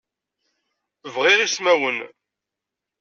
Bɣiɣ ismawen.